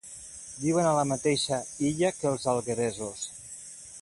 Viuen a la mateixa illa que els algueresos.